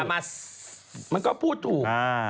มันก็พูดถูก